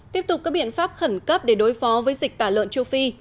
tiếp tục các biện pháp khẩn cấp để đối phó với dịch tả lợn châu phi